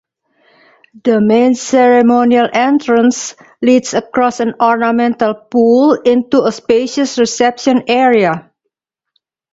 The main ceremonial entrance leads across an ornamental pool into a spacious reception area.